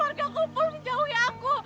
bahkan keluarga kumpul menjauhi aku